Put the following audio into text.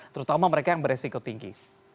terutama mereka yang beresiko tinggi